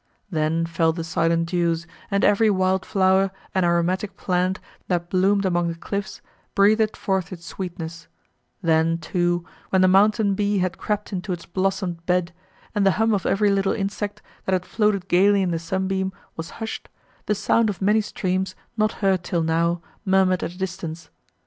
Then fell the silent dews, and every wild flower, and aromatic plant, that bloomed among the cliffs, breathed forth its sweetness; then, too, when the mountain bee had crept into its blossomed bed, and the hum of every little insect, that had floated gaily in the sunbeam, was hushed, the sound of many streams, not heard till now, murmured at a distance.